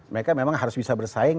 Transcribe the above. mereka memang harus bisa bersaing